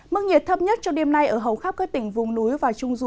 mức nhiệt thấp nhất cho đêm nay ở hầu khắp các tỉnh vùng núi và trung du